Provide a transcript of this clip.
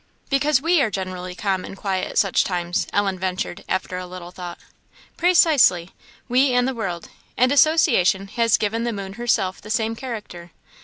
"Because we are generally calm and quiet at such times?" Ellen ventured, after a little thought. "Precisely! we and the world. And association has given the moon herself the same character.